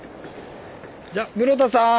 じゃ室田さん